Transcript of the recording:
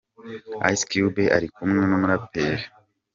Ice Cube ari kumwe n’umuraperi W.